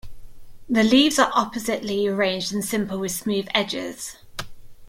The leaves are oppositely arranged and simple with smooth edges.